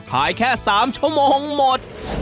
แค่๓ชั่วโมงหมด